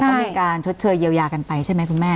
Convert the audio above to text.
เขามีการชดเชยเยียวยากันไปใช่ไหมคุณแม่